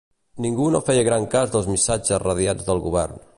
Ningú no feia gran cas dels missatges radiats del Govern